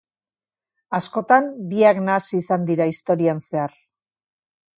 Askotan, biak nahasi izan dira historian zehar.